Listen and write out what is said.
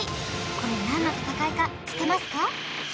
これ何の戦いか知ってますか？